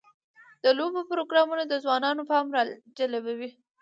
د لوبو پروګرامونه د ځوانانو پام راجلبوي.